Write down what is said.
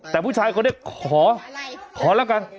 แต่ผู้ชายคนนี้ขอแล้วกัน